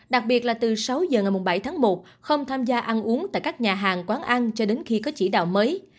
đặc biệt là từ sáu giờ ngày bảy tháng một không tham gia ăn uống tại các nhà hàng quán ăn cho đến khi có chỉ đạo mới